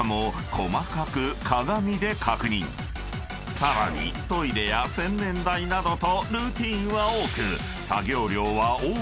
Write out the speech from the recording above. ［さらにトイレや洗面台などとルーティンは多く］